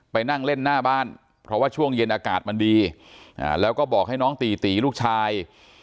ไปนั่งเล่นหน้าบ้านเพราะว่าช่วงเย็นอากาศมันดีแล้วก็บอกให้น้องตีตีลูกชาย